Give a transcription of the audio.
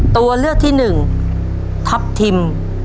ตัวเลือกที่๑ทัพทิม